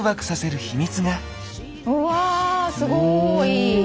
うわすごい！